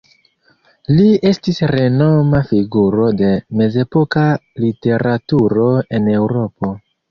Li estis renoma figuro de mezepoka literaturo en Eŭropo.